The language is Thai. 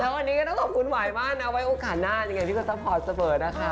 วันนี้ก็ต้องขอบคุณหวายมากนะไว้โอกาสหน้ายังไงพี่ก็ซัพพอร์ตเสมอนะคะ